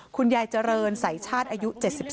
คุณยายเจริญสายชาติอายุ๗๒